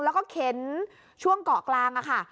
แล้วก็เข็นช่วงเกาะกลางค่ะ